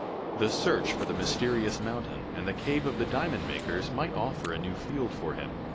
The search for the mysterious mountain, and the cave of the diamond makers, might offer a new field for him.